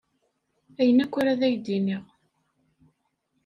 Ayen akk, ar ad ak-iniɣ.